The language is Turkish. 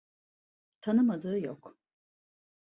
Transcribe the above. Tanımadığı yok.